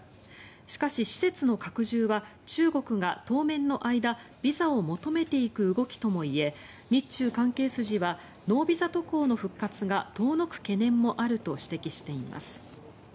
しかし施設の拡充は中国が当面の間ビザを求めていく動きとも言え日中関係筋はノービザ渡航の復活が遠のく懸念もあると指摘しています。